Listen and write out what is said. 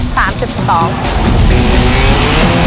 โปรดติดตามตอนต่อไป